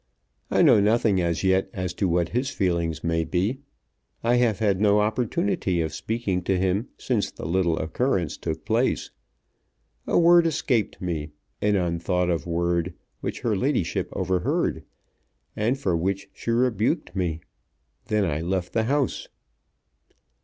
"I know nothing as yet as to what his feelings may be. I have had no opportunity of speaking to him since the little occurrence took place. A word escaped me, an unthought of word, which her ladyship overheard, and for which she rebuked me. Then I left the house."